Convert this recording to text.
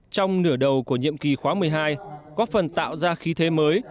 trong nửa đầu của nhiệm kỳ khóa một mươi hai góp phần tạo ra khí thế mới